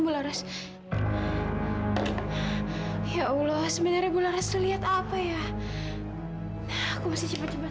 bulares ya allah sebenarnya bulares tuh lihat apa ya aku masih cepet cepet